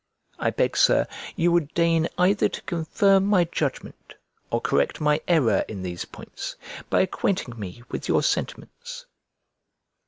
I beg, Sir, you would deign either to confirm my judgment or correct my error in these points, by acquainting me with your sentiments.